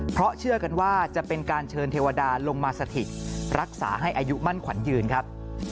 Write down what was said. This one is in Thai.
เพราะเชื่อกันว่าจะเป็นการเชิญเทวดาลงมาสถิตรักษาให้อายุมั่นขวัญยืนครับ